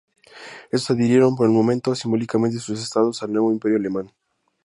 Estos adhirieron, por el momento simbólicamente, sus estados al nuevo Imperio alemán.